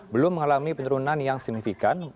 belum mengalami penurunan yang signifikan